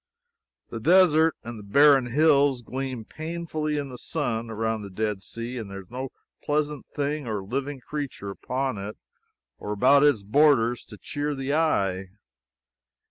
The desert and the barren hills gleam painfully in the sun, around the Dead Sea, and there is no pleasant thing or living creature upon it or about its borders to cheer the eye.